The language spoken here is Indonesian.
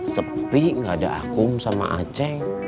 sepi nggak ada akum sama aceng